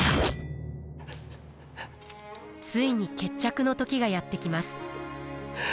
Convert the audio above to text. ついに決着の時がやって来ます。